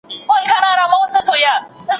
د کشمیر نازکي نجوني نڅېدلې